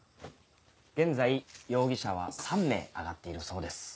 現在容疑者は３名挙がっているそうです。